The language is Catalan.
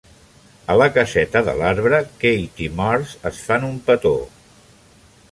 A la caseta de l'arbre, Kate i Mars es fan un petó.